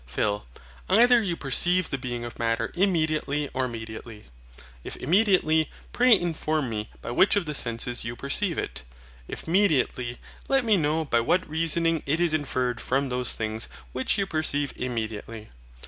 PHIL. Either you perceive the being of Matter immediately or mediately. If immediately, pray inform me by which of the senses you perceive it. If mediately, let me know by what reasoning it is inferred from those things which you perceive immediately.